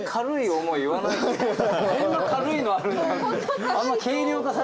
「こんな軽いのあるんだ」って。